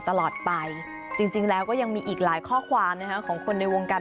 ตลอดไปจริงแล้วก็ยังมีอีกหลายข้อความของคนในวงการ